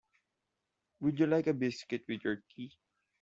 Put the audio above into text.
Would you like a biscuit with your tea?